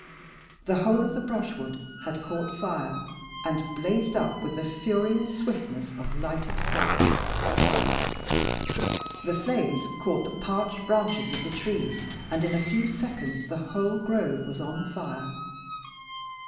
The whole of the brushwood had caught fire, and blazed up with the fury and swiftness of lighted flax. The flames caught the parched branches of the trees, and in a few seconds the whole grove was on fire.